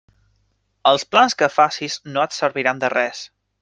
Els plans que facis no et serviran de res.